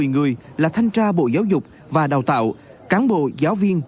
ba năm trăm một mươi người là thanh tra bộ giáo dục và đào tạo cán bộ giáo viên